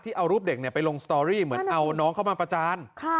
เอารูปเด็กไปลงสตอรี่เหมือนเอาน้องเข้ามาประจาน